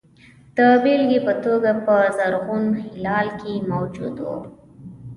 د بېلګې په توګه په زرغون هلال کې موجود وو.